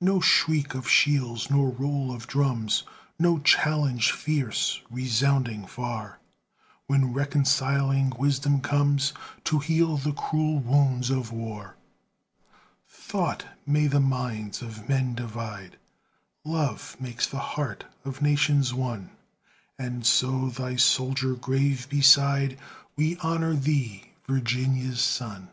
No shriek of shells nor roll of drums, No challenge fierce, resounding far, When reconciling Wisdom comes To heal the cruel wounds of war. Thought may the minds of men divide, Love makes the heart of nations one, And so, thy soldier grave beside, We honor thee, Virginia's son.